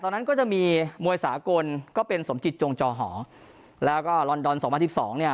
นั้นก็จะมีมวยสากลก็เป็นสมจิตจงจอหอแล้วก็ลอนดอนสองพันสิบสองเนี่ย